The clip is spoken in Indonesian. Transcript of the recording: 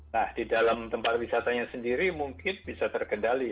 nah di dalam tempat wisatanya sendiri mungkin bisa terkendali